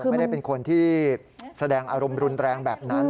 ไม่ได้เป็นคนที่แสดงอารมณ์รุนแรงแบบนั้น